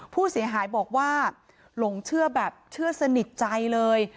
ผู้เสียหายบอกว่าหลงเชื่อแบบเชื่อสนิทใจเลย